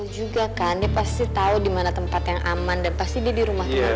lucu juga kan dia pasti tau dimana tempat yang aman dan pasti dia dirumah rumah